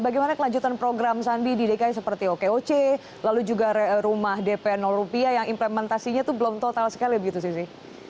bagaimana kelanjutan program sandi di dki seperti okoc lalu juga rumah dp rupiah yang implementasinya itu belum total sekali begitu sisi